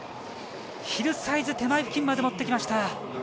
ヒルサイズ手前付近まで持ってきました！